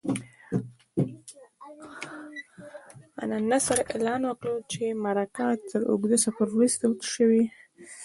انانسر اعلان وکړ چې مرکه تر اوږده سفر وروسته شوې.